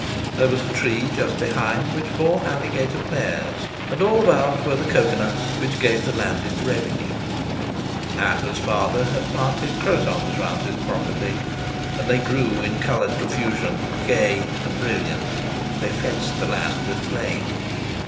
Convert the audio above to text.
There was a tree just behind which bore alligator pears, and all about were the cocoa nuts which gave the land its revenue. Ata's father had planted crotons round his property, and they grew in coloured profusion, gay and brilliant; they fenced the land with flame.